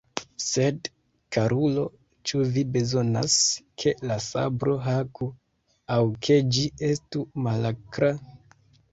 Sed, karulo, ĉu vi bezonas, ke la sabro haku, aŭ ke ĝi estu malakra?